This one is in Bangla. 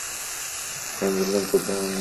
আমি বললাম, তোর ধারণা আমি সুন্দর?